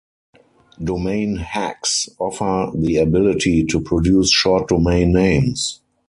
Domain hacks offer the ability to produce short domain names.